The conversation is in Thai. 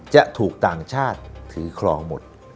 จะถูกต่างชาติถือครองหมด